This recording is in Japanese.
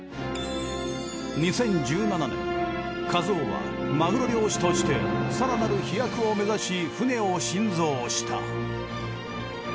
２０１７年一夫はマグロ漁師として更なる飛躍を目指し船を新造した。